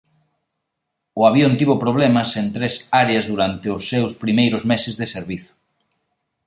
O avión tivo problemas en tres áreas durante os seus primeiros meses de servizo.